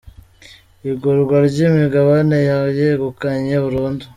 igurwa ry’imigabane ya Yayegukanye burundu.